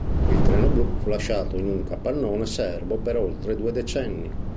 Il "Treno Blu", fu lasciato in un capannone serbo per oltre due decenni.